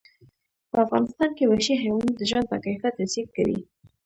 په افغانستان کې وحشي حیوانات د ژوند په کیفیت تاثیر کوي.